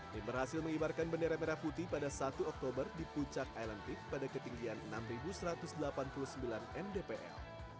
tim berhasil mengibarkan bendera merah putih pada satu oktober di puncak island peak pada ketinggian enam satu ratus delapan puluh sembilan mdpl